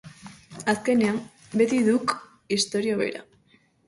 Azkenean beti duk istorio bera.